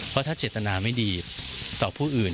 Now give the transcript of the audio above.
เพราะถ้าเจตนาไม่ดีต่อผู้อื่น